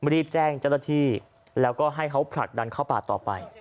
รีบแจ้งเจ้าหน้าที่แล้วก็ให้เขาผลักดันเข้าป่าต่อไป